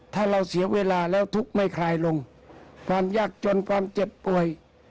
ถ้าเราเสียเวลาแล้วทุกข์ไม่คลายลงความยากจนความเจ็บป่วย